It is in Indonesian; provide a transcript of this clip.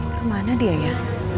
kemana dia ya